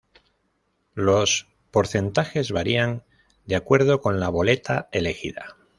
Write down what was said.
Los porcentajes varían de acuerdo con la boleta elegida.